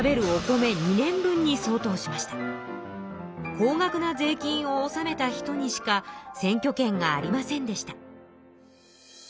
高額な税金を納めた人にしか選挙権がありませんでした。